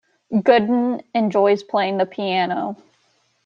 Gooden enjoys playing the piano.